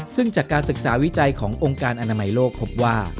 ซึ่งจากการศึกษาวิจัยขององค์การอนามัยโลกพบว่า